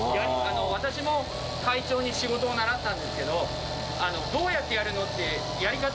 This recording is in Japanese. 私も会長に仕事を習ったんですけどどうやってやるの？ってやり方